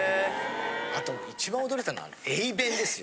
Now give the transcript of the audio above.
あと一番驚いたのは頴娃弁ですよ。